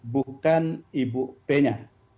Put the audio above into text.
bukan ibu p nya